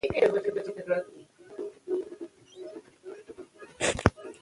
افغانستان د خپلو بزګانو له پلوه ځانګړتیاوې لري.